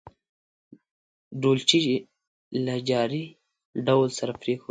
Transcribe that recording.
ډولچي یې له جاري ډول سره پرېښوده.